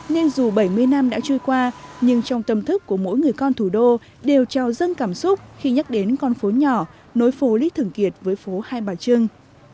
nên dù bảy mươi năm đã trôi qua nhưng trong tâm thức của mỗi người con thủ đô đều trào dâng cảm xúc khi nhắc đến con phố nhỏ nối phố lý thường kiệt với phố hai bà trưng